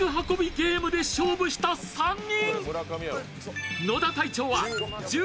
ゲームで勝負した３人。